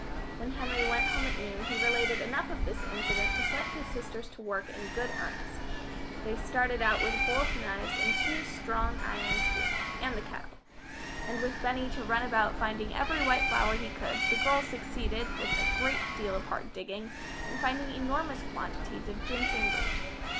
When Henry went home at noon he related enough of this incident to set his sisters to work in good earnest. They started out with both knives and two strong iron spoons, and the kettle. And with Benny to run about finding every white flower he could, the girls succeeded, with a great deal of hard digging, in finding enormous quantities of ginseng root.